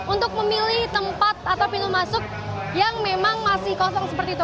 untuk memilih tempat atau pintu masuk yang memang masih kosong seperti itu